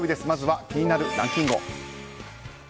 まずは気になるランキンＧＯ！